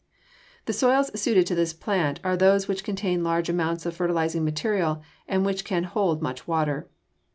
The soils suited to this plant are those which contain large amounts of fertilizing material and which can hold much water.